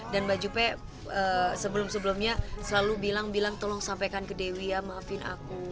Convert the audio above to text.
dan mbak juppe sebelum sebelumnya selalu bilang bilang tolong sampaikan ke dewi ya maafin aku